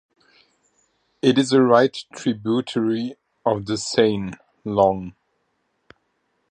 It is a right tributary of the Seine, long.